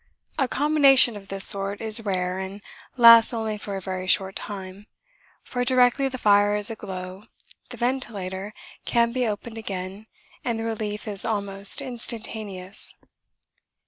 A combination of this sort is rare and lasts only for a very short time, for directly the fire is aglow the ventilator can be opened again and the relief is almost instantaneous.